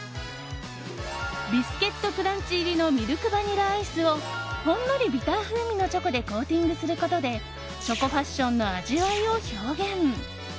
ビスケットクランチ入りのミルクバニラアイスをほんのりビター風味のチョコでコーティングすることでチョコファッションの味わいを表現。